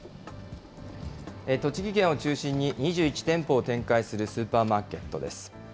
栃木県を中心に２１店舗を展開するスーパーマーケットです。